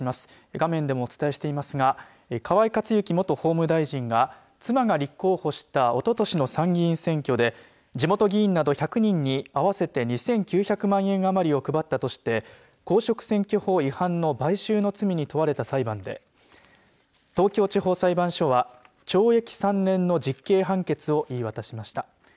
画面でもお伝えしていますが河井克行元法務大臣が妻が立候補したおととしの参議院選挙で地元議員など１００人に合わせて２９００万円余りを配ったとして公職選挙法違反の買収の罪に問われた裁判で東京地方裁判所は懲役３年の実刑判決を言い渡しました。